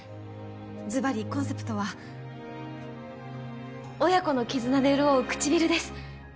ズバリコンセプトは親子の絆で潤う唇です。